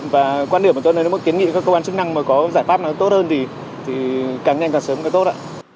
và quan điểm của tôi là nếu một kiến nghị các cơ quan chức năng mà có giải pháp tốt hơn thì càng nhanh càng sớm càng tốt ạ